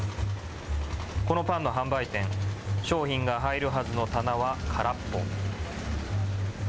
このパンの販売店、商品が入るはずの棚は空っぽ。